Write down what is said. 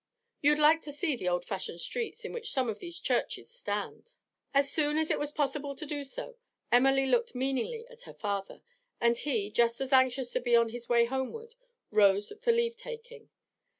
'You'd like to see the old fashioned streets in which some of these churches stand.' As soon as it was possible to do so, Emily looked meaningly at her father, and he, just as anxious to be on his way homeward, rose for leave taking.